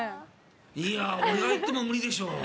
いや、俺が行っても無理でしょう。